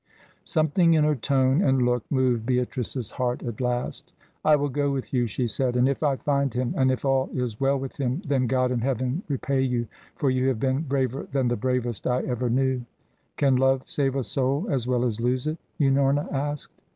Something in her tone and look moved Beatrice's heart at last. "I will go with you," she said. "And if I find him and if all is well with him then God in Heaven repay you, for you have been braver than the bravest I ever knew." "Can love save a soul as well as lose it?" Unorna asked.